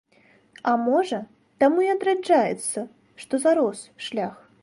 А можа, таму і адраджаецца, што зарос шлях?